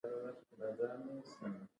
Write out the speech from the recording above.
انسان باید د اړتیا وړ اوبه وڅښي